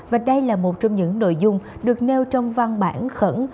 và đây là một trong những nội dung được nêu trong văn bản khẩn